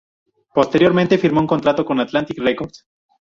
Posteriormente firmó un contrato con Atlantic Records.